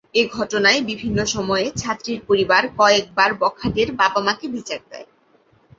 এ ঘটনায় বিভিন্ন সময়ে ছাত্রীর পরিবার কয়েকবার বখাটের বাবা মাকে বিচার দেয়।